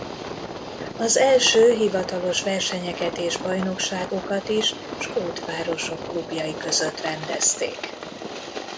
Az első hivatalos versenyeket és bajnokságokat is skót városok klubjai között rendezték.